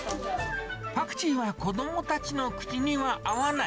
パクチーは子どもたちの口には合わない。